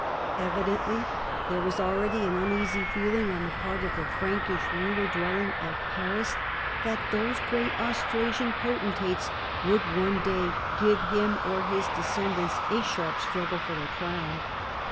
Evidently there was already an uneasy feeling on the part of the Prankish ruler dwelling at Paris that these great Austrasian potentates would one day give him or his descendants a sharp struggle for the crown.